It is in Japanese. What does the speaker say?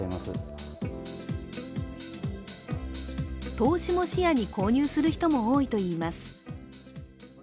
投資も視野に購入する人も多いといいます。